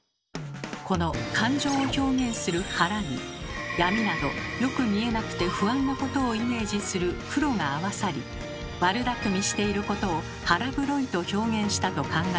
この感情を表現する「腹」に闇などよく見えなくて不安なことをイメージする「黒」が合わさり悪だくみしていることを「腹黒い」と表現したと考えられます。